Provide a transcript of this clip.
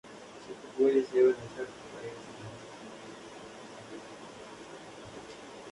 Es una de las fiestas más importantes de la provincia.